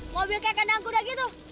mobil kayak kandang kuda gitu